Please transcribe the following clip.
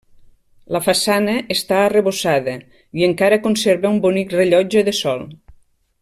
La façana està arrebossada i encara conserva un bonic rellotge de sol.